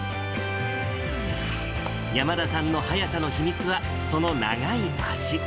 山田さんの速さの秘密は、その長い脚。